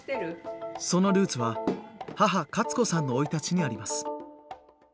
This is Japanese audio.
そのルーツは母カツ子さんの生い立ちにあります。